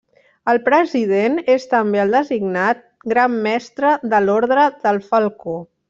El president és també el designat Gran Mestre de l'Ordre del Falcó.